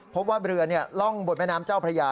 พบว่าเรือล่องบนแม่น้ำเจ้าพระยา